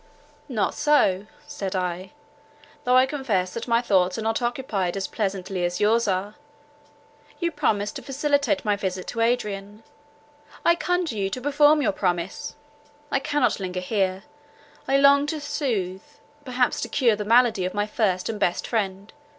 "Not so," said I, "though I confess that my thoughts are not occupied as pleasantly as yours are. You promised to facilitate my visit to Adrian; I conjure you to perform your promise. I cannot linger here; I long to soothe —perhaps to cure the malady of my first and best friend.